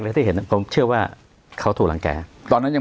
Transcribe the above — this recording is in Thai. ที่เห็นผมเชื่อว่าเขาถูกรังแก่ตอนนั้นยัง